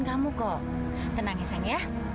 kamu akan people and i